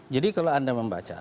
jadi kalau anda membaca